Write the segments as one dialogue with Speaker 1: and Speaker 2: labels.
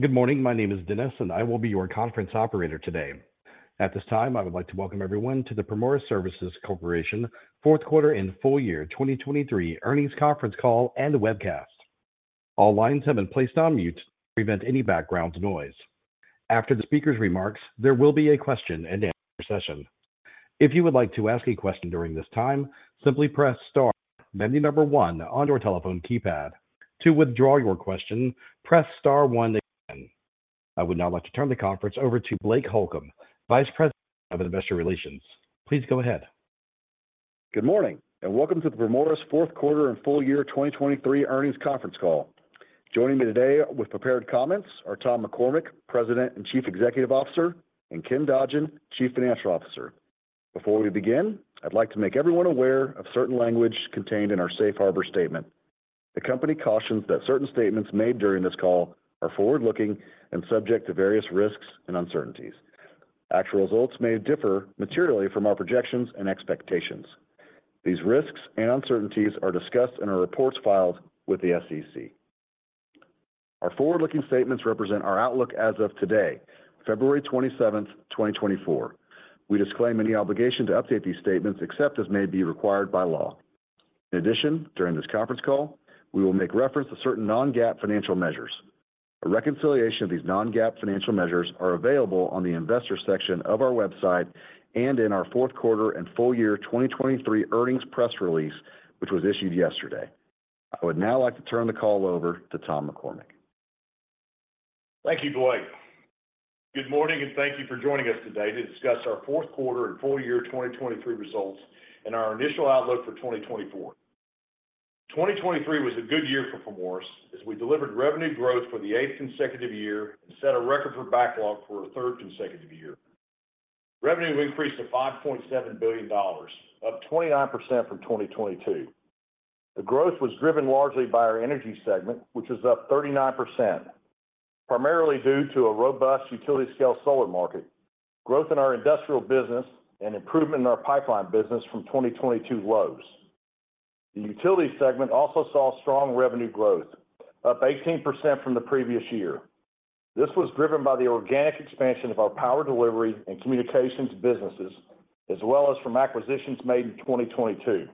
Speaker 1: Good morning, my name is Dennis and I will be your conference operator today. At this time I would like to welcome everyone to the Primoris Services Corporation Fourth Quarter and Full Year 2023 Earnings Conference Call and Webcast. All lines have been placed on mute to prevent any background noise. After the speaker's remarks there will be a question and answer session. If you would like to ask a question during this time simply press star then the number one on your telephone keypad. To withdraw your question press star one again. I would now like to turn the conference over to Blake Holcomb, Vice President of Investor Relations. Please go ahead.
Speaker 2: Good morning and welcome to the Primoris Fourth Quarter and Full Year 2023 Earnings Conference Call. Joining me today with prepared comments are Tom McCormick, President and Chief Executive Officer, and Ken Dodgen, Chief Financial Officer. Before we begin I'd like to make everyone aware of certain language contained in our Safe Harbor Statement. The company cautions that certain statements made during this call are forward-looking and subject to various risks and uncertainties. Actual results may differ materially from our projections and expectations. These risks and uncertainties are discussed in our reports filed with the SEC. Our forward-looking statements represent our outlook as of today, February 27, 2024. We disclaim any obligation to update these statements except as may be required by law. In addition, during this conference call we will make reference to certain non-GAAP financial measures. A reconciliation of these non-GAAP financial measures is available on the investor section of our website and in our fourth quarter and full year 2023 earnings press release, which was issued yesterday. I would now like to turn the call over to Tom McCormick.
Speaker 3: Thank you, Blake. Good morning and thank you for joining us today to discuss our Fourth Quarter and Full Year 2023 Results and our initial outlook for 2024. 2023 was a good year for Primoris as we delivered revenue growth for the eighth consecutive year and set a record for backlog for a third consecutive year. Revenue increased to $5.7 billion, up 29% from 2022. The growth was driven largely by our energy segment which was up 39%, primarily due to a robust utility-scale solar market, growth in our Industrial business, and improvement in our Pipeline business from 2022 lows. The Utility segment also saw strong revenue growth, up 18% from the previous year. This was driven by the organic expansion of our Power Delivery and Communications businesses as well as from acquisitions made in 2022.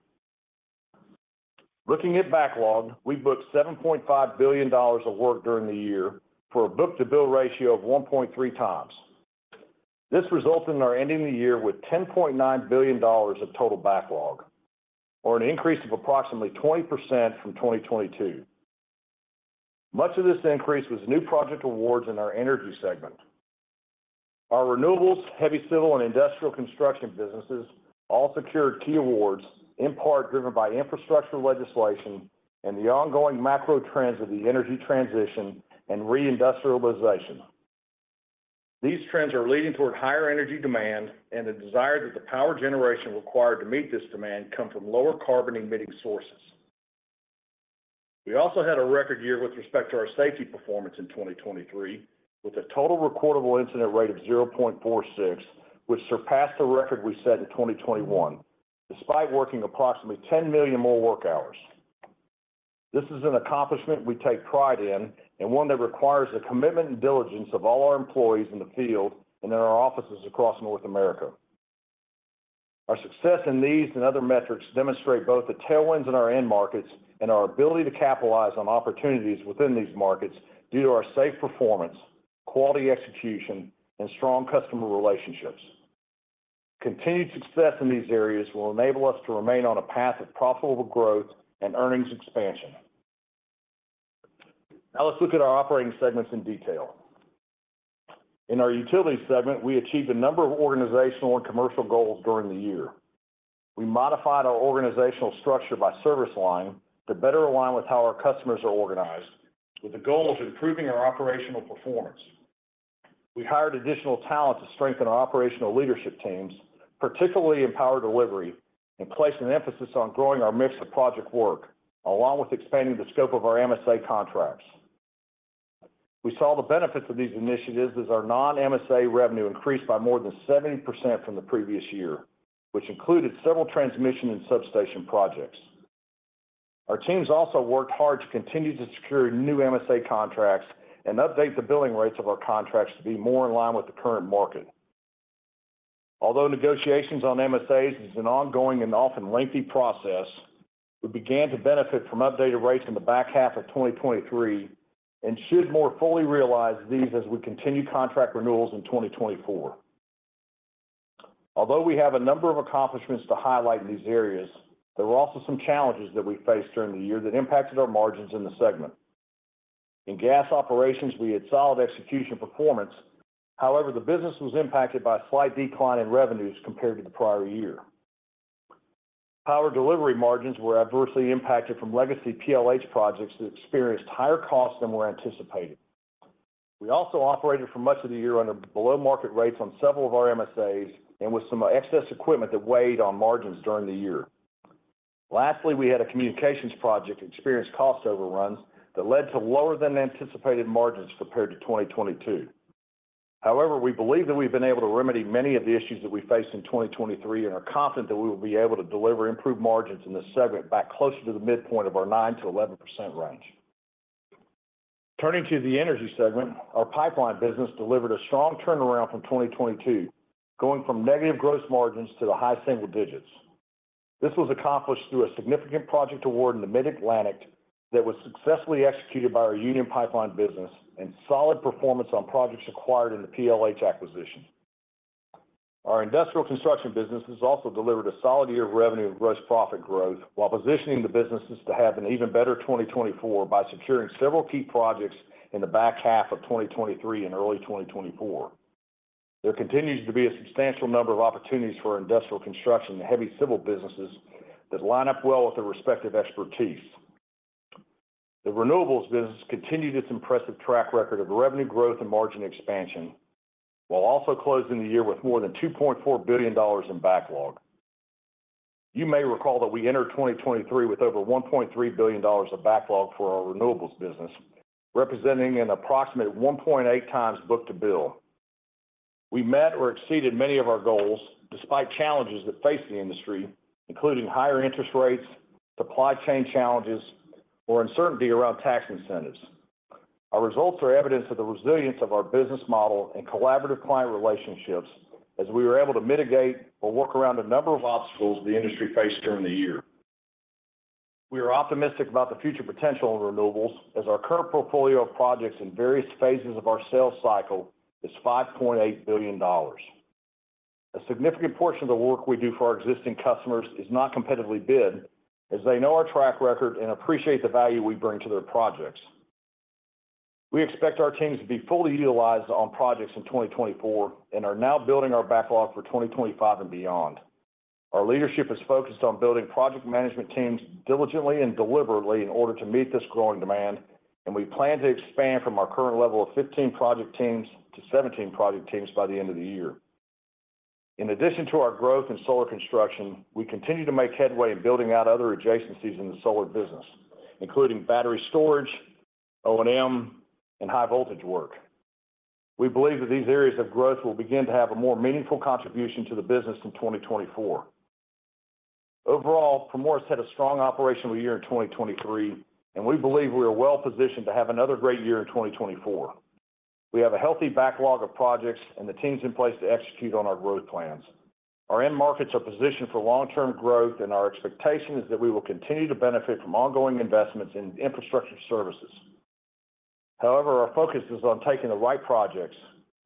Speaker 3: Looking at backlog, we booked $7.5 billion of work during the year for a book-to-bill ratio of 1.3x. This resulted in our ending the year with $10.9 billion of total backlog, or an increase of approximately 20% from 2022. Much of this increase was new project awards in our energy segment. Our Renewables, Heavy Civil, and Industrial Construction businesses all secured key awards, in part driven by infrastructure legislation and the ongoing macro trends of the energy transition and reindustrialization. These trends are leading toward higher energy demand and the desire that the power generation required to meet this demand come from lower carbon-emitting sources. We also had a record year with respect to our safety performance in 2023, with a total recordable incident rate of 0.46, which surpassed the record we set in 2021, despite working approximately 10 million more work hours. This is an accomplishment we take pride in and one that requires the commitment and diligence of all our employees in the field and in our offices across North America. Our success in these and other metrics demonstrates both the tailwinds in our end markets and our ability to capitalize on opportunities within these markets due to our safe performance, quality execution, and strong customer relationships. Continued success in these areas will enable us to remain on a path of profitable growth and earnings expansion. Now let's look at our operating segments in detail. In our Utility segment, we achieved a number of organizational and commercial goals during the year. We modified our organizational structure by service line to better align with how our customers are organized, with the goal of improving our operational performance. We hired additional talent to strengthen our operational leadership teams, particularly in Power Delivery, and placed an emphasis on growing our mix of project work along with expanding the scope of our MSA contracts. We saw the benefits of these initiatives as our non-MSA revenue increased by more than 70% from the previous year, which included several transmission and substation projects. Our teams also worked hard to continue to secure new MSA contracts and update the billing rates of our contracts to be more in line with the current market. Although negotiations on MSAs are an ongoing and often lengthy process, we began to benefit from updated rates in the back half of 2023 and should more fully realize these as we continue contract renewals in 2024. Although we have a number of accomplishments to highlight in these areas, there were also some challenges that we faced during the year that impacted our margins in the segment. In gas operations, we had solid execution performance. However, the business was impacted by a slight decline in revenues compared to the prior year. Power Delivery margins were adversely impacted from legacy PLH projects that experienced higher costs than were anticipated. We also operated for much of the year under below-market rates on several of our MSAs and with some excess equipment that weighed on margins during the year. Lastly, we had a communications project that experienced cost overruns that led to lower-than-anticipated margins compared to 2022. However, we believe that we've been able to remedy many of the issues that we faced in 2023 and are confident that we will be able to deliver improved margins in this segment back closer to the midpoint of our 9%-11% range. Turning to the energy segment, our Pipeline business delivered a strong turnaround from 2022, going from negative gross margins to the high single digits. This was accomplished through a significant project award in the Mid-Atlantic that was successfully executed by our Union Pipeline business and solid performance on projects acquired in the PLH acquisition. Our Industrial Construction businesses also delivered a solid year of revenue and gross profit growth while positioning the businesses to have an even better 2024 by securing several key projects in the back half of 2023 and early 2024. There continues to be a substantial number of opportunities for Industrial Construction and Heavy Civil businesses that line up well with their respective expertise. The Renewables business continued its impressive track record of revenue growth and margin expansion while also closing the year with more than $2.4 billion in backlog. You may recall that we entered 2023 with over $1.3 billion of backlog for our Renewables business, representing an approximate 1.8x book-to-bill. We met or exceeded many of our goals despite challenges that faced the industry, including higher interest rates, supply chain challenges, or uncertainty around tax incentives. Our results are evidence of the resilience of our business model and collaborative client relationships as we were able to mitigate or work around a number of obstacles the industry faced during the year. We are optimistic about the future potential of Renewables as our current portfolio of projects in various phases of our sales cycle is $5.8 billion. A significant portion of the work we do for our existing customers is not competitively bid as they know our track record and appreciate the value we bring to their projects. We expect our teams to be fully utilized on projects in 2024 and are now building our backlog for 2025 and beyond. Our leadership is focused on building project management teams diligently and deliberately in order to meet this growing demand, and we plan to expand from our current level of 15 project teams to 17 project teams by the end of the year. In addition to our growth in solar construction, we continue to make headway in building out other adjacencies in the Solar business, including battery storage, O&M, and high-voltage work. We believe that these areas of growth will begin to have a more meaningful contribution to the business in 2024. Overall, Primoris had a strong operational year in 2023, and we believe we are well positioned to have another great year in 2024. We have a healthy backlog of projects and the teams in place to execute on our growth plans. Our end markets are positioned for long-term growth, and our expectation is that we will continue to benefit from ongoing investments in infrastructure services. However, our focus is on taking the right projects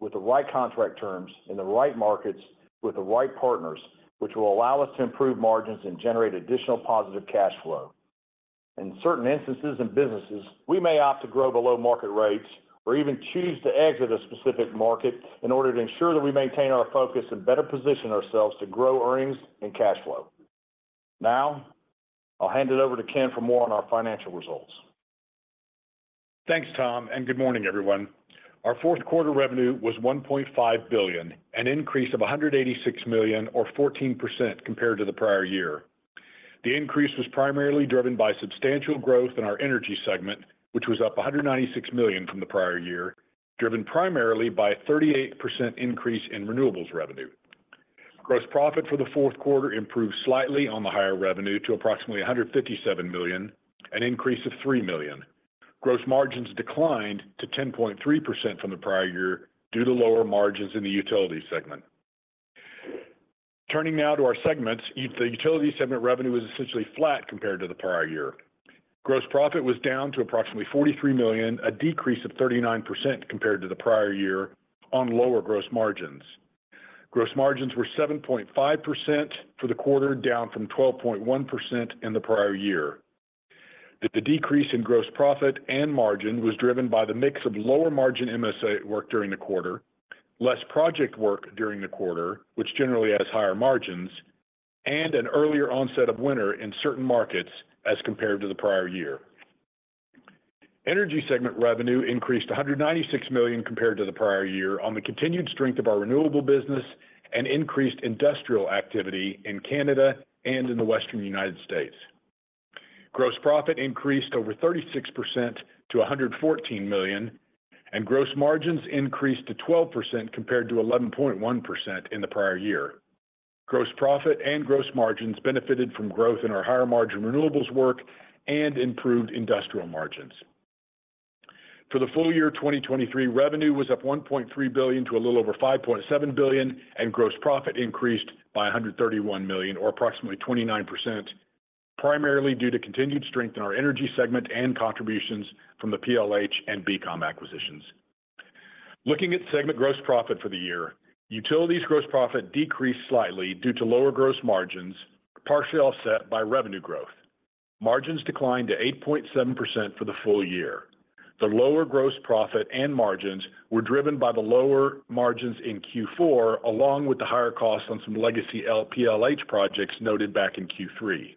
Speaker 3: with the right contract terms in the right markets with the right partners, which will allow us to improve margins and generate additional positive cash flow. In certain instances and businesses, we may opt to grow below market rates or even choose to exit a specific market in order to ensure that we maintain our focus and better position ourselves to grow earnings and cash flow. Now I'll hand it over to Ken for more on our financial results.
Speaker 4: Thanks, Tom, and good morning, everyone. Our fourth quarter revenue was $1.5 billion, an increase of $186 million or 14% compared to the prior year. The increase was primarily driven by substantial growth in our energy segment, which was up $196 million from the prior year, driven primarily by a 38% increase in Renewables revenue. Gross profit for the fourth quarter improved slightly on the higher revenue to approximately $157 million, an increase of $3 million. Gross margins declined to 10.3% from the prior year due to lower margins in the Utility segment. Turning now to our segments, the Utility segment revenue is essentially flat compared to the prior year. Gross profit was down to approximately $43 million, a decrease of 39% compared to the prior year on lower gross margins. Gross margins were 7.5% for the quarter, down from 12.1% in the prior year. The decrease in gross profit and margin was driven by the mix of lower margin MSA work during the quarter, less project work during the quarter, which generally has higher margins, and an earlier onset of winter in certain markets as compared to the prior year. Energy segment revenue increased $196 million compared to the prior year on the continued strength of our Renewable business and increased industrial activity in Canada and in the Western United States. Gross profit increased over 36% to $114 million, and gross margins increased to 12% compared to 11.1% in the prior year. Gross profit and gross margins benefited from growth in our higher margin Renewables work and improved Industrial margins. For the full year 2023, revenue was up $1.3 billion to a little over $5.7 billion, and gross profit increased by $131 million or approximately 29%, primarily due to continued strength in our Energy segment and contributions from the PLH and BCOM acquisitions. Looking at segment gross profit for the year, Utilities gross profit decreased slightly due to lower gross margins, partially offset by revenue growth. Margins declined to 8.7% for the full year. The lower gross profit and margins were driven by the lower margins in Q4, along with the higher costs on some legacy PLH projects noted back in Q3.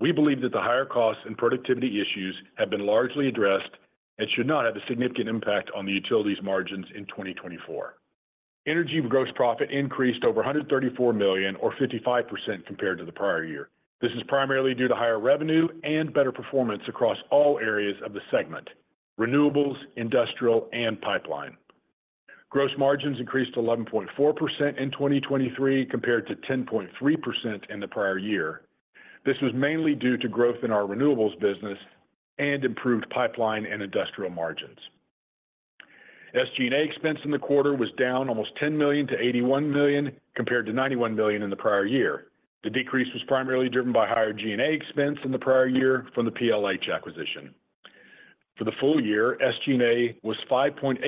Speaker 4: We believe that the higher costs and productivity issues have been largely addressed and should not have a significant impact on the Utilities' margins in 2024. Energy gross profit increased over $134 million or 55% compared to the prior year. This is primarily due to higher revenue and better performance across all areas of the segment: Renewables, Industrial, and Pipeline. Gross margins increased to 11.4% in 2023 compared to 10.3% in the prior year. This was mainly due to growth in our Renewables business and improved Pipeline and Industrial margins. SG&A expense in the quarter was down almost $10 million to $81 million compared to $91 million in the prior year. The decrease was primarily driven by higher G&A expense in the prior year from the PLH acquisition. For the full year, SG&A was 5.8%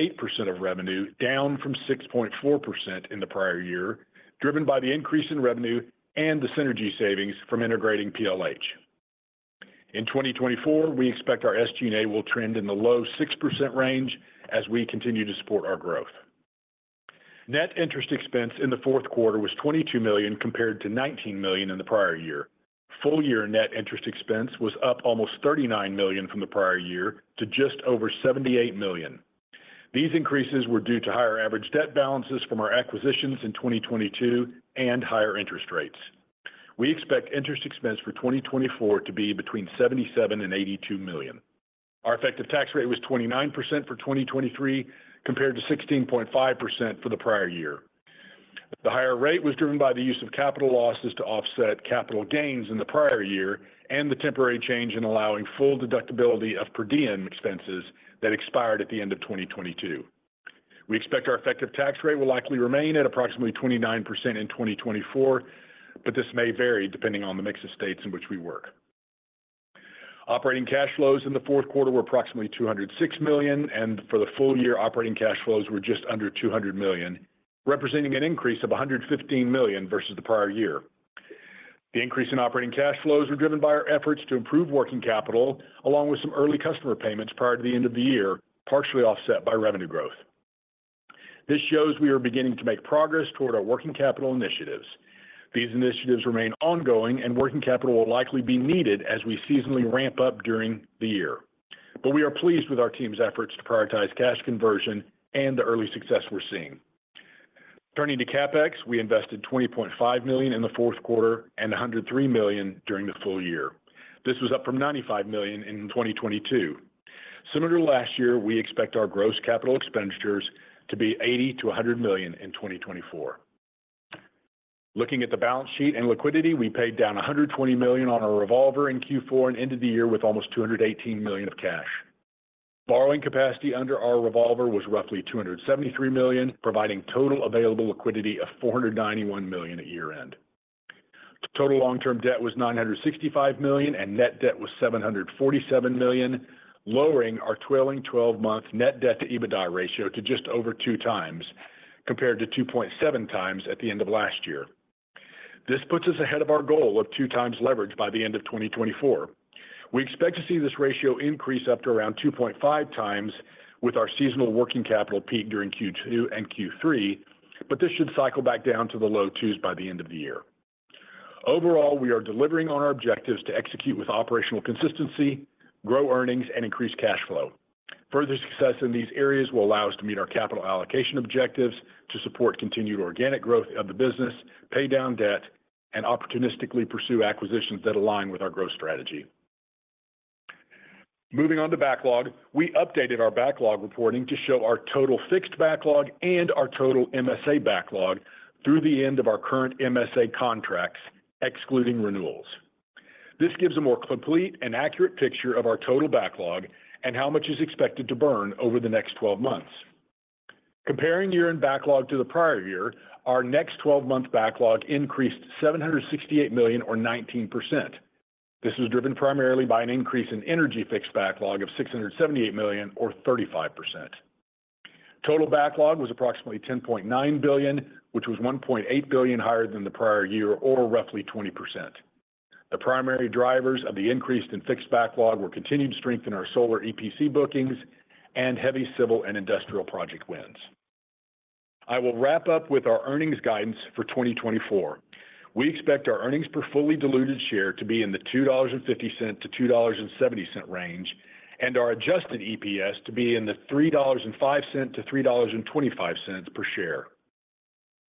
Speaker 4: of revenue, down from 6.4% in the prior year, driven by the increase in revenue and the synergy savings from integrating PLH. In 2024, we expect our SG&A will trend in the low 6% range as we continue to support our growth. Net interest expense in the fourth quarter was $22 million compared to $19 million in the prior year. Full-year net interest expense was up almost $39 million from the prior year to just over $78 million. These increases were due to higher average debt balances from our acquisitions in 2022 and higher interest rates. We expect interest expense for 2024 to be between $77-$82 million. Our effective tax rate was 29% for 2023 compared to 16.5% for the prior year. The higher rate was driven by the use of capital losses to offset capital gains in the prior year and the temporary change in allowing full deductibility of per diem expenses that expired at the end of 2022. We expect our effective tax rate will likely remain at approximately 29% in 2024, but this may vary depending on the mix of states in which we work. Operating cash flows in the fourth quarter were approximately $206 million, and for the full year, operating cash flows were just under $200 million, representing an increase of $115 million versus the prior year. The increase in operating cash flows was driven by our efforts to improve working capital, along with some early customer payments prior to the end of the year, partially offset by revenue growth. This shows we are beginning to make progress toward our working capital initiatives. These initiatives remain ongoing, and working capital will likely be needed as we seasonally ramp up during the year. But we are pleased with our team's efforts to prioritize cash conversion and the early success we're seeing. Turning to CapEx, we invested $20.5 million in the fourth quarter and $103 million during the full year. This was up from $95 million in 2022. Similar to last year, we expect our gross capital expenditures to be $80-$100 million in 2024. Looking at the balance sheet and liquidity, we paid down $120 million on our revolver in Q4 and ended the year with almost $218 million of cash. Borrowing capacity under our revolver was roughly $273 million, providing total available liquidity of $491 million at year-end. Total long-term debt was $965 million, and net debt was $747 million, lowering our trailing 12-month net debt-to-EBITDA ratio to just over 2x compared to 2.7x at the end of last year. This puts us ahead of our goal of 2x leverage by the end of 2024. We expect to see this ratio increase up to around 2.5x with our seasonal working capital peak during Q2 and Q3, but this should cycle back down to the low 2s by the end of the year. Overall, we are delivering on our objectives to execute with operational consistency, grow earnings, and increase cash flow. Further success in these areas will allow us to meet our capital allocation objectives to support continued organic growth of the business, pay down debt, and opportunistically pursue acquisitions that align with our growth strategy. Moving on to backlog, we updated our backlog reporting to show our total fixed backlog and our total MSA backlog through the end of our current MSA contracts, excluding Renewals. This gives a more complete and accurate picture of our total backlog and how much is expected to burn over the next 12 months. Comparing year-end backlog to the prior year, our next 12-month backlog increased $768 million or 19%. This was driven primarily by an increase in energy fixed backlog of $678 million or 35%. Total backlog was approximately $10.9 billion, which was $1.8 billion higher than the prior year or roughly 20%. The primary drivers of the increase in fixed backlog were continued strength in our Solar EPC bookings and Heavy Civil and Industrial project wins. I will wrap up with our earnings guidance for 2024. We expect our earnings per fully diluted share to be in the $2.50-$2.70 range and our adjusted EPS to be in the $3.05-$3.25 per share,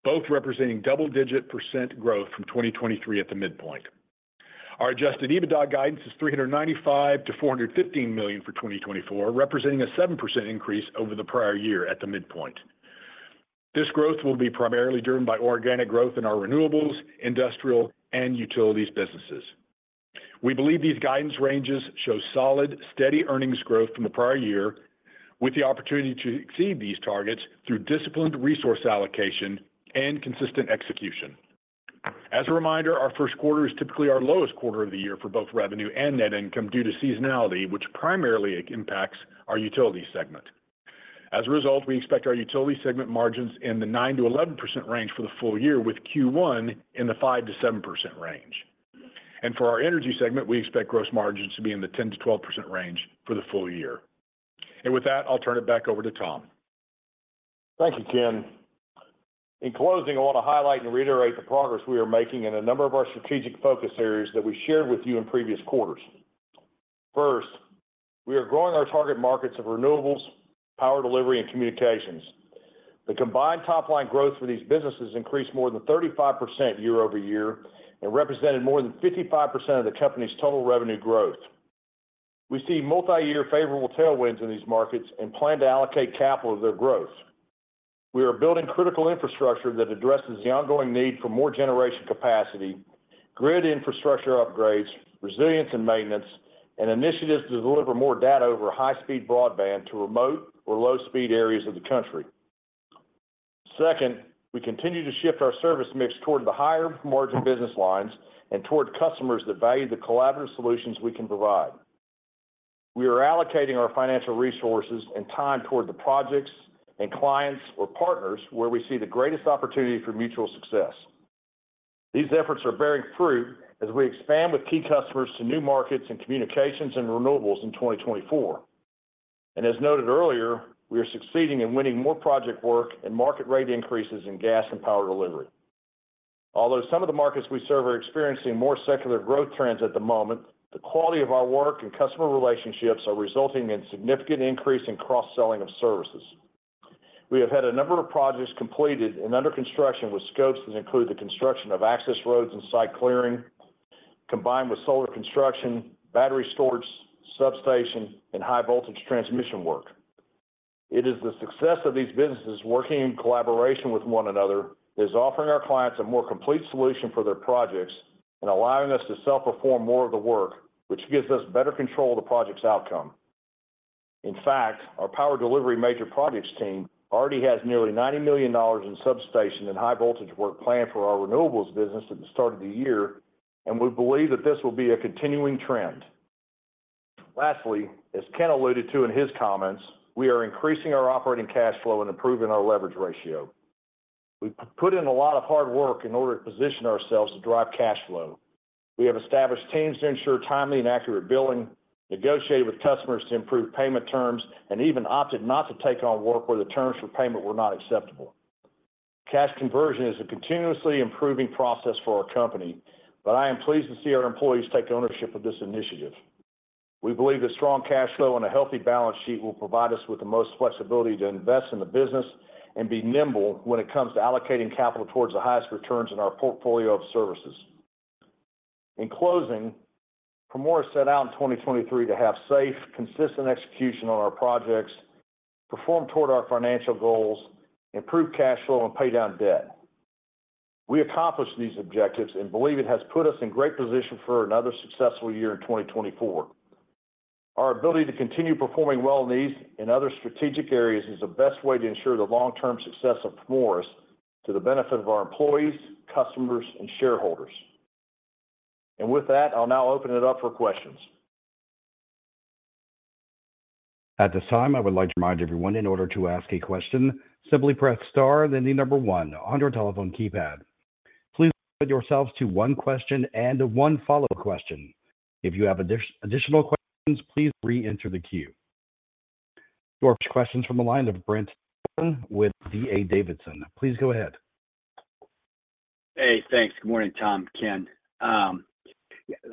Speaker 4: both representing double-digit % growth from 2023 at the midpoint. Our adjusted EBITDA guidance is $395 million-$415 million for 2024, representing a 7% increase over the prior year at the midpoint. This growth will be primarily driven by organic growth in our Renewables, Industrial, and Utilities businesses. We believe these guidance ranges show solid, steady earnings growth from the prior year with the opportunity to exceed these targets through disciplined resource allocation and consistent execution. As a reminder, our first quarter is typically our lowest quarter of the year for both revenue and net income due to seasonality, which primarily impacts our Utility segment. As a result, we expect our Utility segment margins in the 9%-11% range for the full year, with Q1 in the 5%-7% range. For our energy segment, we expect gross margins to be in the 10%-12% range for the full year. With that, I'll turn it back over to Tom.
Speaker 3: Thank you, Ken. In closing, I want to highlight and reiterate the progress we are making in a number of our strategic focus areas that we shared with you in previous quarters. First, we are growing our target markets of Renewables, Power Delivery, and Communications. The combined top-line growth for these businesses increased more than 35% year-over-year and represented more than 55% of the company's total revenue growth. We see multi-year favorable tailwinds in these markets and plan to allocate capital to their growth. We are building critical infrastructure that addresses the ongoing need for more generation capacity, grid infrastructure upgrades, resilience and maintenance, and initiatives to deliver more data over high-speed broadband to remote or low-speed areas of the country. Second, we continue to shift our service mix toward the higher-margin business lines and toward customers that value the collaborative solutions we can provide. We are allocating our financial resources and time toward the projects and clients or partners where we see the greatest opportunity for mutual success. These efforts are bearing fruit as we expand with key customers to new markets in Communications and Renewables in 2024. As noted earlier, we are succeeding in winning more project work and market rate increases in Gas and Power Delivery. Although some of the markets we serve are experiencing more secular growth trends at the moment, the quality of our work and customer relationships are resulting in a significant increase in cross-selling of services. We have had a number of projects completed and under construction with scopes that include the construction of access roads and site clearing, combined with solar construction, battery storage, substation, and high-voltage transmission work. It is the success of these businesses working in collaboration with one another that is offering our clients a more complete solution for their projects and allowing us to self-perform more of the work, which gives us better control of the project's outcome. In fact, our Power Delivery major projects team already has nearly $90 million in substation and high-voltage work planned for our Renewables business at the start of the year, and we believe that this will be a continuing trend. Lastly, as Ken alluded to in his comments, we are increasing our operating cash flow and improving our leverage ratio. We put in a lot of hard work in order to position ourselves to drive cash flow. We have established teams to ensure timely and accurate billing, negotiated with customers to improve payment terms, and even opted not to take on work where the terms for payment were not acceptable. Cash conversion is a continuously improving process for our company, but I am pleased to see our employees take ownership of this initiative. We believe that strong cash flow and a healthy balance sheet will provide us with the most flexibility to invest in the business and be nimble when it comes to allocating capital towards the highest returns in our portfolio of services. In closing, Primoris set out in 2023 to have safe, consistent execution on our projects, perform toward our financial goals, improve cash flow, and pay down debt. We accomplished these objectives and believe it has put us in great position for another successful year in 2024. Our ability to continue performing well in these and other strategic areas is the best way to ensure the long-term success of Primoris to the benefit of our employees, customers, and shareholders. With that, I'll now open it up for questions.
Speaker 1: At this time, I would like to remind everyone, in order to ask a question, simply press star, then the number one on your telephone keypad. Please limit yourselves to one question and one follow-up question. If you have additional questions, please re-enter the queue. Your first question is from the line of Brent Thielman with D.A. Davidson. Please go ahead.
Speaker 5: Hey, thanks. Good morning, Tom, Ken.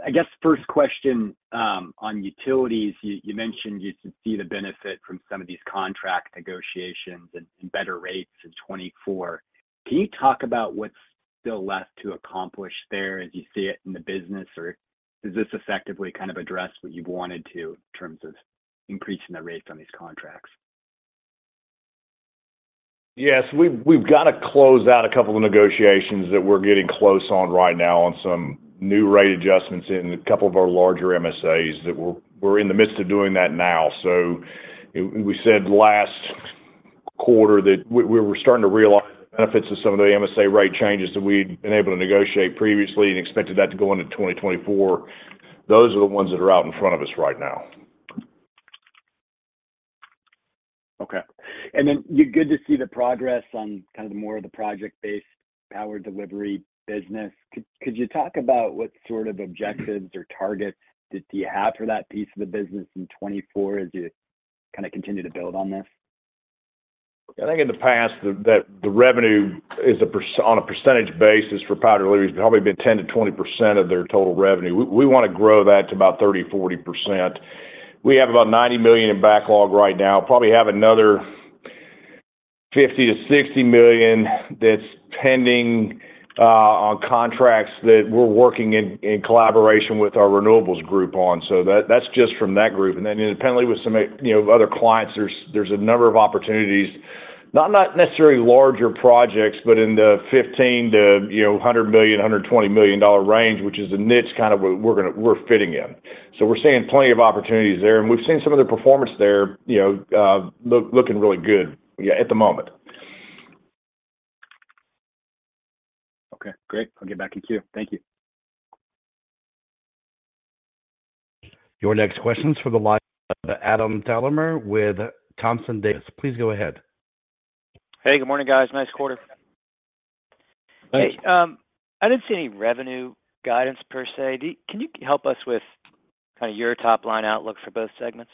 Speaker 5: I guess the first question on Utilities, you mentioned you could see the benefit from some of these contract negotiations and better rates in 2024. Can you talk about what's still left to accomplish there as you see it in the business, or does this effectively kind of address what you've wanted to in terms of increasing the rates on these contracts?
Speaker 3: Yes, we've got to close out a couple of negotiations that we're getting close on right now on some new rate adjustments in a couple of our larger MSAs. We're in the midst of doing that now. So we said last quarter that we were starting to realize the benefits of some of the MSA rate changes that we'd been able to negotiate previously and expected that to go into 2024. Those are the ones that are out in front of us right now.
Speaker 5: Okay. And then good to see the progress on kind of the more of the project-based Power Delivery business. Could you talk about what sort of objectives or targets do you have for that piece of the business in 2024 as you kind of continue to build on this?
Speaker 3: I think in the past, the revenue is on a percentage basis for Power Delivery, probably been 10%-20% of their total revenue. We want to grow that to about 30%-40%. We have about $90 million in backlog right now, probably have another $50 million-$60 million that's pending on contracts that we're working in collaboration with our Renewables group on. So that's just from that group. And then independently with some other clients, there's a number of opportunities, not necessarily larger projects, but in the $15 million-$100 million, $120 million dollar range, which is the niche kind of where we're fitting in. So we're seeing plenty of opportunities there, and we've seen some of the performance there looking really good at the moment.
Speaker 5: Okay, great. I'll get back in queue. Thank you.
Speaker 1: Your next question is for the line of Adam Thalhimer with Thompson Davis. Please go ahead.
Speaker 6: Hey, good morning, guys. Nice quarter.
Speaker 4: Thanks.
Speaker 6: Hey, I didn't see any revenue guidance per se. Can you help us with kind of your top-line outlook for both segments?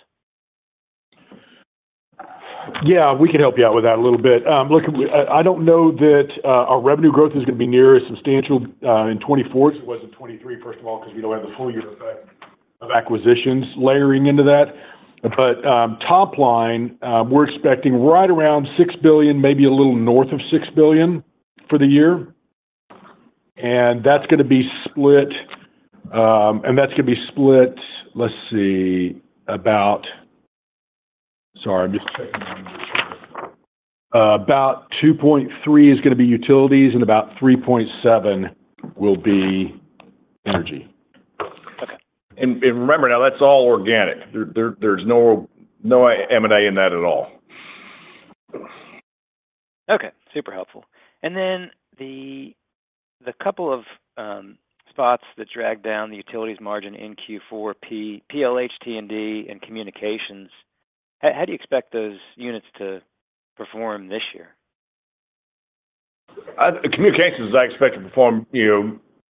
Speaker 4: Yeah, we can help you out with that a little bit. Look, I don't know that our revenue growth is going to be near as substantial in 2024 as it was in 2023, first of all, because we don't have the full year effect of acquisitions layering into that. But top-line, we're expecting right around $6 billion, maybe a little north of $6 billion for the year. And that's going to be split and that's going to be split, let's see, about sorry, I'm just checking my numbers here. About $2.3 billion is going to be Utilities, and about $3.7 billion will be energy.
Speaker 3: Okay. And remember, now, that's all organic. There's no M&A in that at all.
Speaker 6: Okay, super helpful. And then the couple of spots that dragged down the Utilities margin in Q4, PLH, T&D, and Communications, how do you expect those units to perform this year?
Speaker 3: Communications, I expect, to perform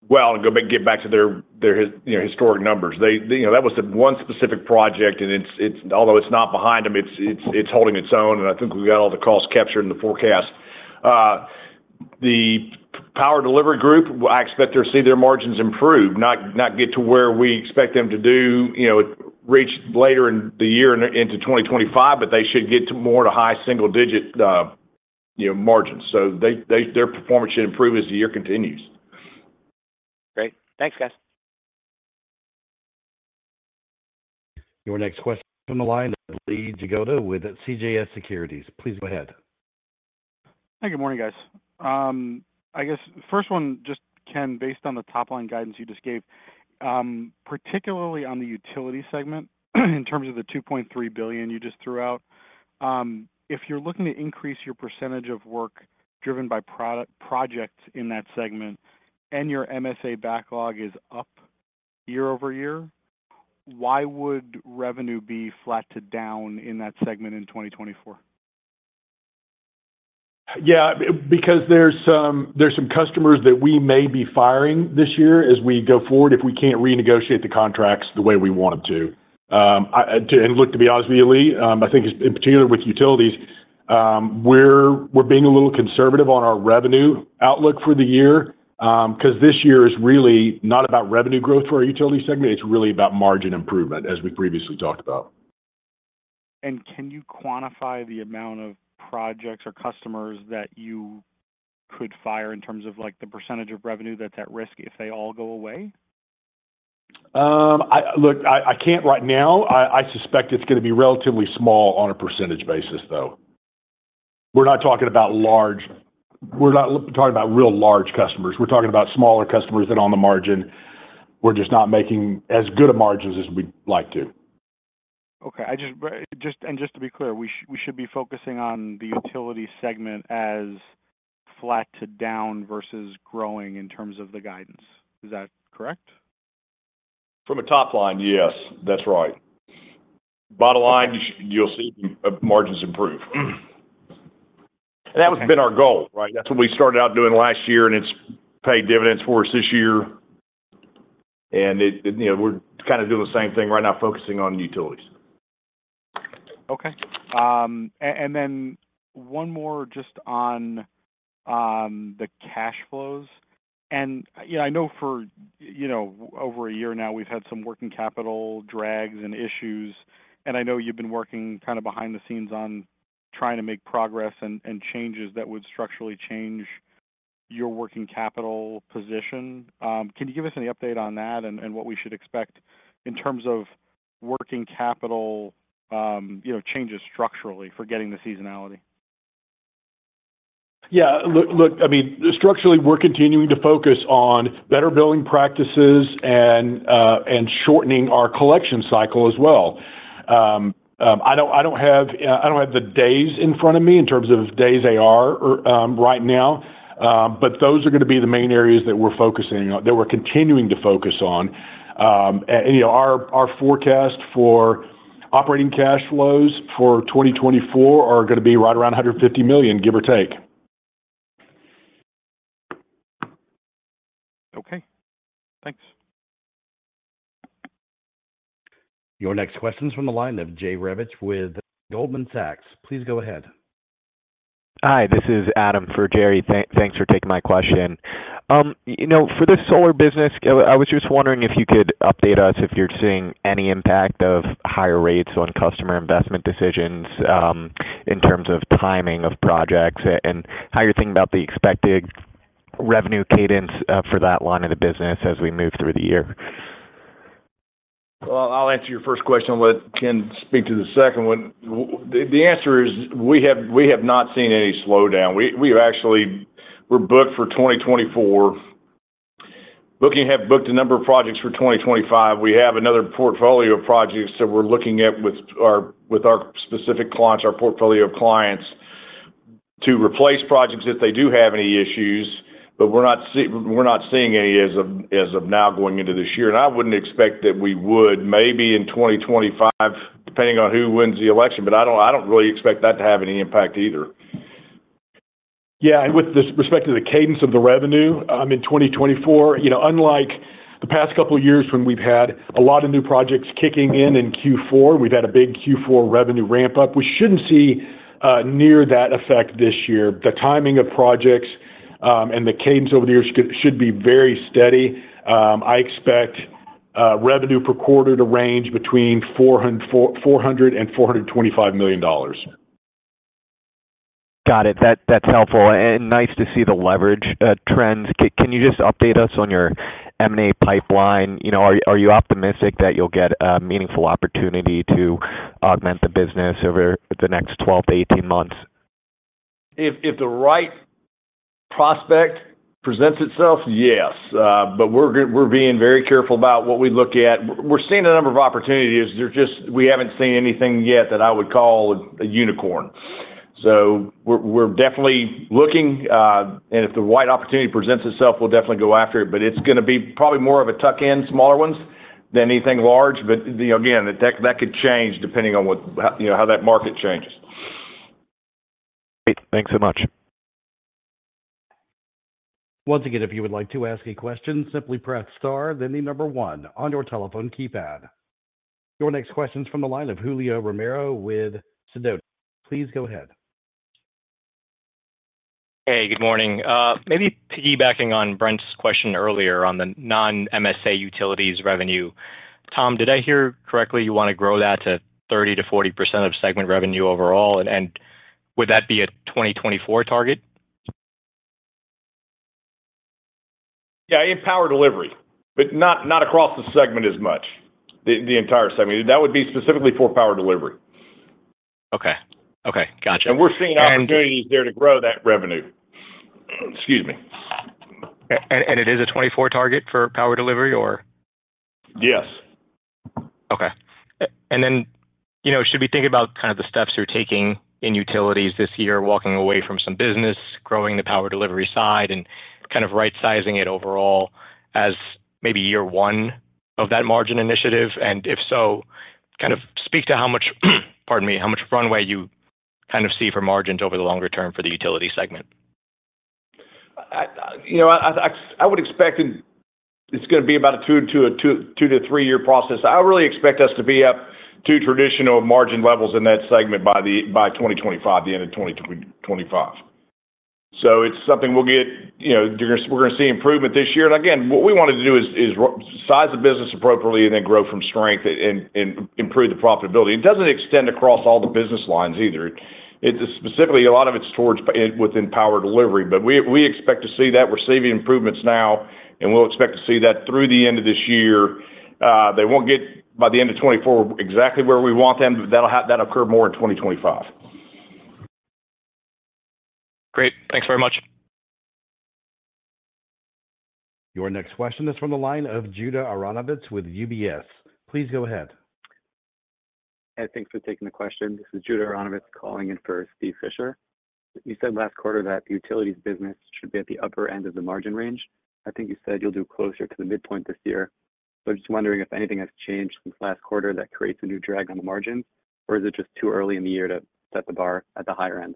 Speaker 3: well and get back to their historic numbers. That was the one specific project, and although it's not behind them, it's holding its own, and I think we got all the costs captured in the forecast. The Power Delivery group, I expect to see their margins improve, not get to where we expect them to do reach later in the year into 2025, but they should get to more of a high single-digit margin. So their performance should improve as the year continues.
Speaker 6: Great. Thanks, guys.
Speaker 1: Your next question is from the line of Lee Jagoda with CJS Securities. Please go ahead.
Speaker 7: Hey, good morning, guys. I guess first one, just Ken, based on the top-line guidance you just gave, particularly on the Utility segment in terms of the $2.3 billion you just threw out, if you're looking to increase your percentage of work driven by projects in that segment and your MSA backlog is up year-over-year, why would revenue be flat to down in that segment in 2024?
Speaker 4: Yeah, because there's some customers that we may be firing this year as we go forward if we can't renegotiate the contracts the way we want them to. And look, to be honest with you, Lee, I think in particular with Utilities, we're being a little conservative on our revenue outlook for the year because this year is really not about revenue growth for our Utility segment. It's really about margin improvement, as we previously talked about.
Speaker 7: Can you quantify the amount of projects or customers that you could fire in terms of the percentage of revenue that's at risk if they all go away?
Speaker 4: Look, I can't right now. I suspect it's going to be relatively small on a percentage basis, though. We're not talking about real large customers. We're talking about smaller customers that are on the margin. We're just not making as good a margins as we'd like to.
Speaker 7: Okay. Just to be clear, we should be focusing on the Utility segment as flat to down versus growing in terms of the guidance. Is that correct?
Speaker 4: From a top line, yes, that's right. Bottom line, you'll see margins improve. That has been our goal, right? That's what we started out doing last year, and it's paid dividends for us this year. We're kind of doing the same thing right now, focusing on Utilities.
Speaker 7: Okay. Then one more just on the cash flows. I know for over a year now, we've had some working capital drags and issues, and I know you've been working kind of behind the scenes on trying to make progress and changes that would structurally change your working capital position. Can you give us any update on that and what we should expect in terms of working capital changes structurally for getting the seasonality?
Speaker 4: Yeah. Look, I mean, structurally, we're continuing to focus on better billing practices and shortening our collection cycle as well. I don't have the days in front of me in terms of days AR right now, but those are going to be the main areas that we're focusing on that we're continuing to focus on. Our forecast for operating cash flows for 2024 are going to be right around $150 million, give or take.
Speaker 7: Okay. Thanks.
Speaker 1: Your next question is from the line of Jay Revich with Goldman Sachs. Please go ahead.
Speaker 8: Hi, this is Adam for Jerry. Thanks for taking my question. For this Solar business, I was just wondering if you could update us if you're seeing any impact of higher rates on customer investment decisions in terms of timing of projects and how you're thinking about the expected revenue cadence for that line of the business as we move through the year.
Speaker 4: Well, I'll answer your first question. Let Ken speak to the second one. The answer is we have not seen any slowdown. We're booked for 2024. We have booked a number of projects for 2025. We have another portfolio of projects that we're looking at with our specific clients, our portfolio of clients, to replace projects if they do have any issues, but we're not seeing any as of now going into this year. And I wouldn't expect that we would. Maybe in 2025, depending on who wins the election, but I don't really expect that to have any impact either. Yeah, and with respect to the cadence of the revenue, I mean, 2024, unlike the past couple of years when we've had a lot of new projects kicking in in Q4, we've had a big Q4 revenue ramp-up. We shouldn't see near that effect this year. The timing of projects and the cadence over the years should be very steady. I expect revenue per quarter to range between $400 million and $425 million.
Speaker 8: Got it. That's helpful and nice to see the leverage trends. Can you just update us on your M&A pipeline? Are you optimistic that you'll get a meaningful opportunity to augment the business over the next 12-18 months?
Speaker 4: If the right prospect presents itself, yes. But we're being very careful about what we look at. We're seeing a number of opportunities. We haven't seen anything yet that I would call a unicorn. So we're definitely looking, and if the right opportunity presents itself, we'll definitely go after it. But it's going to be probably more of a tuck-in, smaller ones, than anything large. But again, that could change depending on how that market changes.
Speaker 1: Great. Thanks so much. Once again, if you would like to ask a question, simply press star, then the number one on your telephone keypad. Your next question is from the line of Julio Romero with Sidoti. Please go ahead.
Speaker 9: Hey, good morning. Maybe piggybacking on Brent's question earlier on the non-MSA Utilities revenue, Tom, did I hear correctly you want to grow that to 30%-40% of segment revenue overall? Would that be a 2024 target?
Speaker 3: Yeah, in Power Delivery, but not across the segment as much, the entire segment. That would be specifically for Power Delivery.
Speaker 9: Okay. Okay. Gotcha.
Speaker 3: We're seeing opportunities there to grow that revenue. Excuse me.
Speaker 9: It is a 2024 target for Power Delivery, or?
Speaker 4: Yes.
Speaker 9: Okay. And then should we think about kind of the steps you're taking in Utilities this year, walking away from some business, growing the Power Delivery side, and kind of right-sizing it overall as maybe year one of that margin initiative? And if so, kind of speak to how much—pardon me, how much runway you kind of see for margins over the longer term for the Utility segment.
Speaker 4: I would expect it's going to be about a 2-3-year process. I really expect us to be up to traditional margin levels in that segment by 2025, the end of 2025. So it's something we'll get we're going to see improvement this year. And again, what we wanted to do is size the business appropriately and then grow from strength and improve the profitability. It doesn't extend across all the business lines either. Specifically, a lot of it's towards within Power Delivery, but we expect to see that. We're seeing improvements now, and we'll expect to see that through the end of this year. They won't get by the end of 2024 exactly where we want them, but that'll occur more in 2025.
Speaker 9: Great. Thanks very much.
Speaker 1: Your next question is from the line of Judah Aronovitz with UBS. Please go ahead.
Speaker 10: Hey, thanks for taking the question. This is Judah Aronovitz calling in for Steve Fisher. You said last quarter that the Utilities business should be at the upper end of the margin range. I think you said you'll do closer to the midpoint this year. So I'm just wondering if anything has changed since last quarter that creates a new drag on the margins, or is it just too early in the year to set the bar at the higher end?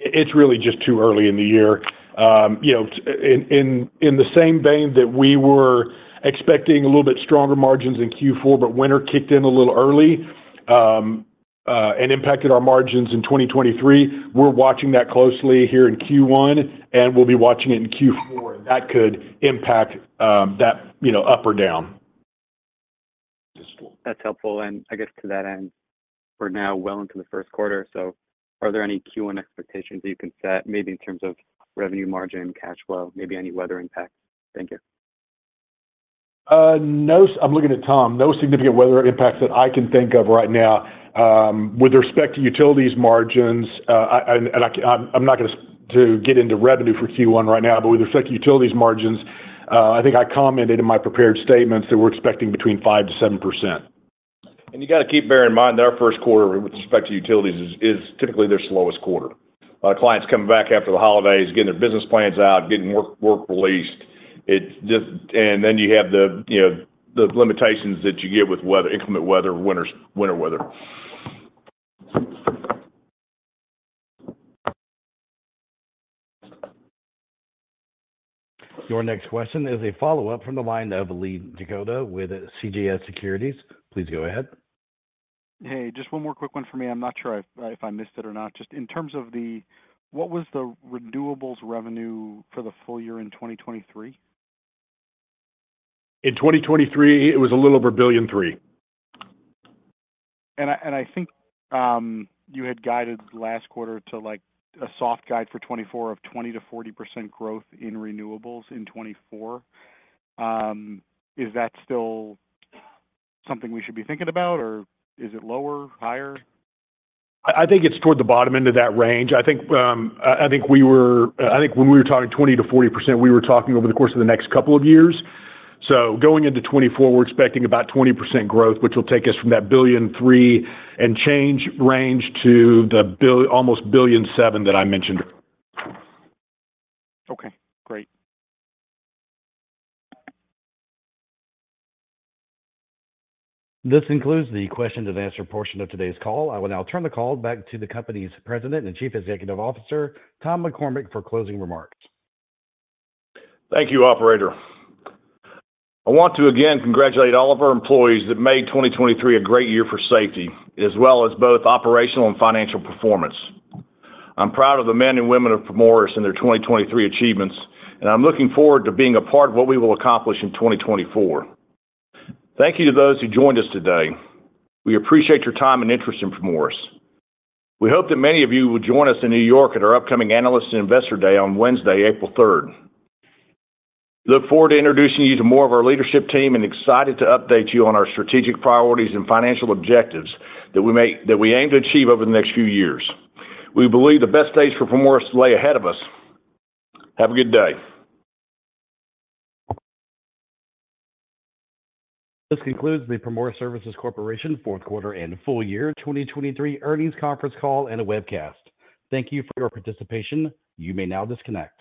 Speaker 4: It's really just too early in the year. In the same vein that we were expecting a little bit stronger margins in Q4, but winter kicked in a little early and impacted our margins in 2023, we're watching that closely here in Q1, and we'll be watching it in Q4. That could impact that up or down.
Speaker 10: That's helpful. And I guess to that end, we're now well into the first quarter, so are there any Q1 expectations that you can set, maybe in terms of revenue margin, cash flow, maybe any weather impacts? Thank you.
Speaker 4: I'm looking at Tom. No significant weather impacts that I can think of right now. With respect to Utilities margins and I'm not going to get into revenue for Q1 right now, but with respect to Utilities margins, I think I commented in my prepared statements that we're expecting between 5%-7%.
Speaker 3: You got to keep bearing in mind that our first quarter, with respect to Utilities, is typically their slowest quarter. Clients coming back after the holidays, getting their business plans out, getting work released, and then you have the limitations that you get with inclement weather, winter weather.
Speaker 1: Your next question is a follow-up from the line of Lee Jagoda with CJS Securities. Please go ahead.
Speaker 7: Hey, just one more quick one for me. I'm not sure if I missed it or not. Just in terms of what was the Renewables revenue for the full year in 2023?
Speaker 4: In 2023, it was a little over $3 billion.
Speaker 7: I think you had guided last quarter to a soft guide for 2024 of 20%-40% growth in Renewables in 2024. Is that still something we should be thinking about, or is it lower, higher?
Speaker 4: I think it's toward the bottom end of that range. I think when we were talking 20%-40%, we were talking over the course of the next couple of years. So going into 2024, we're expecting about 20% growth, which will take us from that $1.3 billion and change range to the almost $1.7 billion that I mentioned earlier.
Speaker 7: Okay. Great.
Speaker 1: This includes the questions and answer portion of today's call. I will now turn the call back to the company's President and Chief Executive Officer, Tom McCormick, for closing remarks.
Speaker 3: Thank you, operator. I want to again congratulate all of our employees that made 2023 a great year for safety, as well as both operational and financial performance. I'm proud of the men and women of Primoris and their 2023 achievements, and I'm looking forward to being a part of what we will accomplish in 2024. Thank you to those who joined us today. We appreciate your time and interest in Primoris. We hope that many of you will join us in New York at our upcoming Analyst and Investor Day on Wednesday, April 3rd. We look forward to introducing you to more of our leadership team and excited to update you on our strategic priorities and financial objectives that we aim to achieve over the next few years. We believe the best days for Primoris lie ahead of us. Have a good day.
Speaker 1: This concludes the Primoris Services Corporation Fourth Quarter and Full Year 2023 Earnings Conference Call and a Webcast. Thank you for your participation. You may now disconnect.